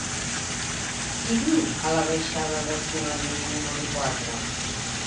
Qui viu a la baixada de Solanell número quatre?